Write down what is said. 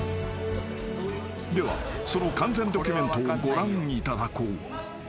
［ではその完全ドキュメントをご覧いただこう］